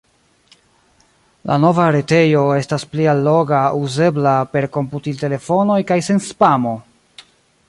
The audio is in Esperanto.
La nova retejo estas pli alloga, uzebla per komputiltelefonoj kaj sen spamo!